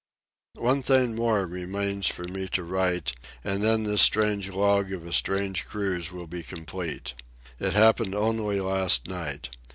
One thing more remains for me to write, and then this strange log of a strange cruise will be complete. It happened only last night.